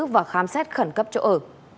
và khám xét khẩn cấp chỗ ở